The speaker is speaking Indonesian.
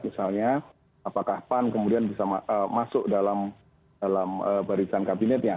misalnya apakah pan kemudian bisa masuk dalam barisan kabinetnya